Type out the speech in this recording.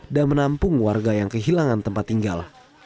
dan menampung warga yang kehilangan tempat tinggal